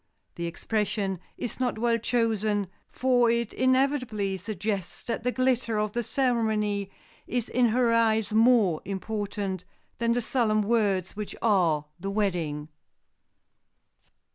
The expression is not well chosen, for it inevitably suggests that the glitter of the ceremony is in her eyes more important than the solemn words which are the wedding.